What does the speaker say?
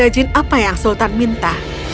dan meminta pada jin apa yang sultan minta